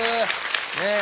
ねえ。